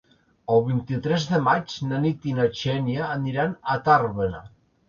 El vint-i-tres de maig na Nit i na Xènia aniran a Tàrbena.